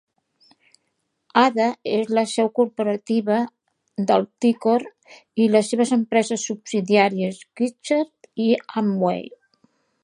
Ada és la seu corporativa d'Alticor i les seves empreses subsidiàries Quixtar i Amway.